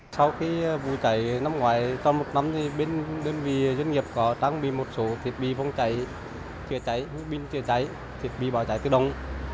sau khi vụ cháy năm ngoài trong một năm thì bên đơn vị doanh nghiệp có trang bị một số thiết bị phòng cháy chữa cháy hữu binh chữa cháy thiết bị bảo cháy tự động